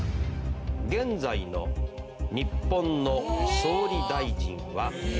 「現在の日本の総理大臣は誰？」